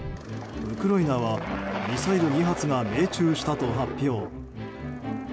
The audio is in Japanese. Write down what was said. ウクライナはミサイル２発が命中したと発表。